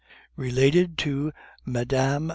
_Related to Mme.